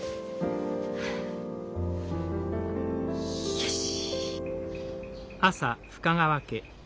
よし！